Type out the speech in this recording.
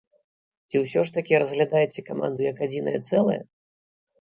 Ці ўсё ж такі разглядаеце каманду як адзінае цэлае?